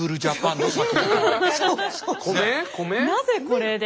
なぜこれで？